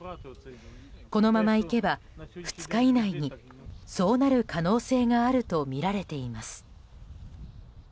このままいけば、２日以内にそうなる可能性があるとみられています。